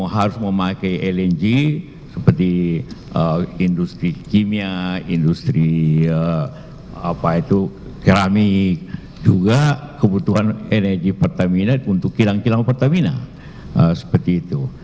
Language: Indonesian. harus memakai lng seperti industri kimia industri keramik juga kebutuhan energi pertamina untuk kilang kilang pertamina seperti itu